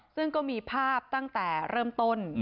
ซึ่งก็มีภาพตั้งแต่เริ่มต้น